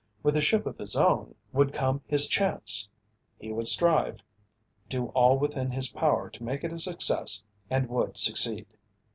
With a ship of his own, would come his chance. He would strive; do all within his power to make it a success and would succeed.